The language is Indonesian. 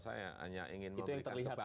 saya hanya ingin memberikan kepada